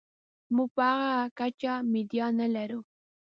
موږ په هغه کچه میډیا نلرو.